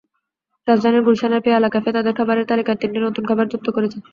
রাজধানীর গুলশানের পেয়ালা ক্যাফে তাদের খাবারের তালিকায় তিনটি নতুন খাবার যুক্ত করেছে।